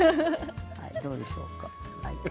どうでしょうか？